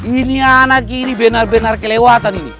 ini anak ini benar benar kelewatan ini